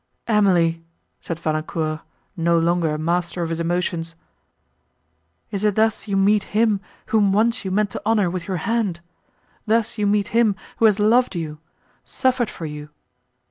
"Emily," said Valancourt, no longer master of his emotions, "is it thus you meet him, whom once you meant to honour with your hand—thus you meet him, who has loved you—suffered for you?